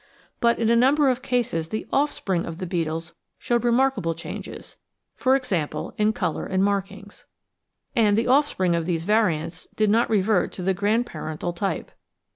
But in a number of cases the offspring of the beetles showed remarkable changes, e.g. in colour and markings. And the offspring of these variants did not revert to the grandparental type.